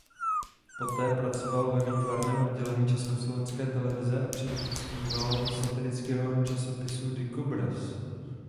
Poté pracoval ve výtvarném oddělení Československé televize a přispíval do satirického časopisu "Dikobraz".